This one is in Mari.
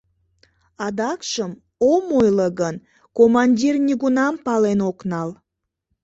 Адакшым, ом ойло гын, командир нигунам пален ок нал.